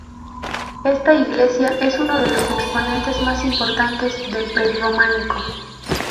Esta iglesia es uno de los exponentes más importantes del pre-románico.